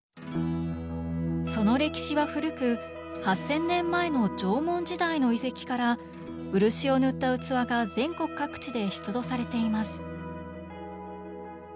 その歴史は古く８，０００年前の縄文時代の遺跡から漆を塗った器が全国各地で出土されています。